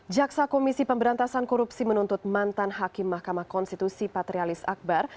jaksa komisi pemberantasan korupsi menuntut mantan hakim mahkamah konstitusi patrialis akbar